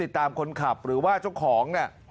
ตามคนขับหรือว่าเจ้าของเนี่ย